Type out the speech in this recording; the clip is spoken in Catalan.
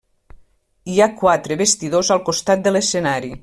Hi ha quatre vestidors al costat de l'escenari.